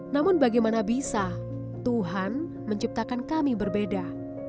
namun bagaimana bisa tuhan menciptakan kami berbeda